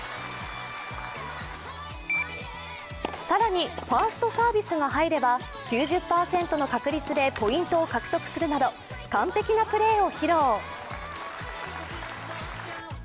更に、ファーストサービスが入れば９０％の確率でポイントを獲得するなど完璧なプレーを披露。